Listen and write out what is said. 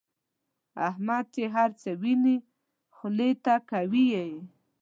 احمد چې هرڅه ویني خولې ته کوي یې.